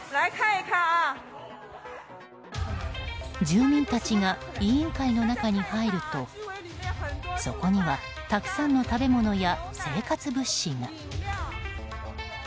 住民たちが委員会の中に入るとそこにはたくさんの食べ物や生活物資が。